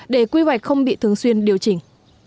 để quy hoạch không bị thường xuyên điều chỉnh